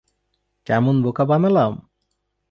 কেমন বোকা বানালাম!